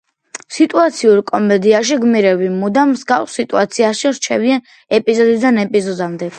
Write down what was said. სიტუაციურ კომედიაში გმირები მუდამ მსგავს სიტუაციაში რჩებიან ეპიზოდიდან ეპიზოდამდე.